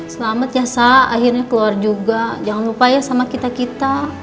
selamat ya sak akhirnya keluar juga jangan lupa ya sama kita kita